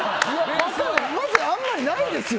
まず、あんまりないですよ。